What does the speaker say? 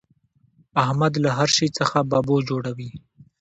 احمد له هر شي څخه ببو جوړوي.